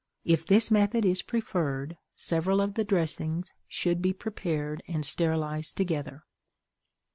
If this method is preferred, several of the dressings should be prepared and sterilized together.